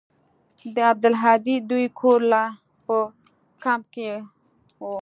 د عبدالهادي دوى کور لا په کمپ کښې و.